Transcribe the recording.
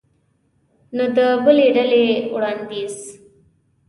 نو د بلې ډلې وړاندیز